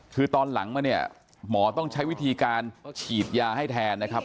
คือตอนหลังมาเนี่ยหมอต้องใช้วิธีการฉีดยาให้แทนนะครับ